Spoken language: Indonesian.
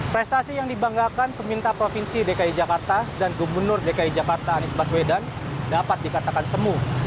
prestasi yang dibanggakan peminta provinsi dki jakarta dan gubernur dki jakarta anies baswedan dapat dikatakan semu